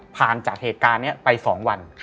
จากเหตุการณ์นี้ไป๒วัน